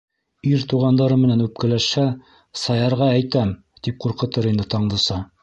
Ир туғандары менән үпкәләшһә: «Саярға әйтәм!» - тип ҡурҡытыр ине Таңдыса.